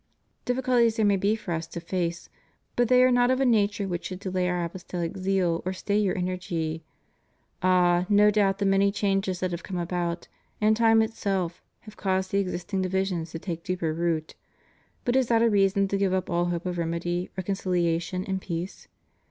* Difficulties there msij be for us to face, but they are not of a nature which should delay Our apostolic zeal or stay your energy. Ah, no doubt the many changes that have come about, and time itself, have caused the existing divisions to take deeper root. But is that a reason to give up all hope of remedy, reconciliation and peace?